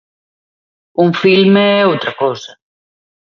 Un filme é outra cousa.